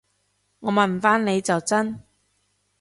我問返你就真